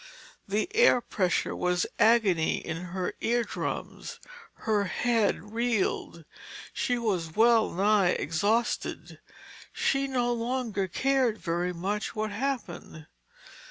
The air pressure was agony to her eardrums. Her head reeled. She was well nigh exhausted. She no longer cared very much what happened.